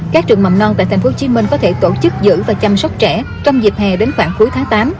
các trường mầm non tại tp hcm có thể tổ chức giữ và chăm sóc trẻ trong dịp hè đến khoảng cuối tháng tám